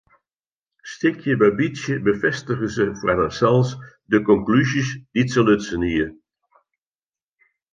Stikje by bytsje befêstige se foar harsels de konklúzjes dy't se lutsen hie.